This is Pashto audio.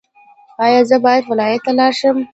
ایا زه باید ولایت ته لاړ شم؟